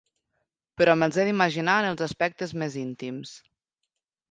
Però me'ls he d'imaginar en els aspectes més íntims.